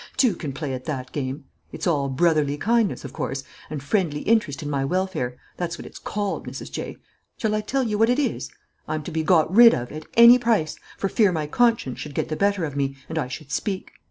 two can play at that game. It's all brotherly kindness, of course, and friendly interest in my welfare that's what it's called, Mrs. J. Shall I tell you what it is? I'm to be got rid of, at any price, for fear my conscience should get the better of me, and I should speak.